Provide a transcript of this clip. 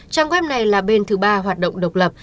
trang web này là bên thứ ba hoạt động độc lập